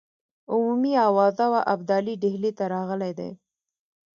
عمومي آوازه وه ابدالي ډهلي ته راغلی دی.